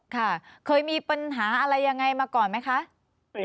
ค่ะเคยมีปัญหาอะไรยังไงมาก่อนไหมคะ